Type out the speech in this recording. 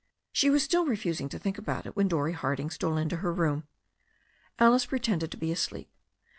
She was still refusing to think about it when Dorrie Harding stole into her room. Alice pretended to be asleep.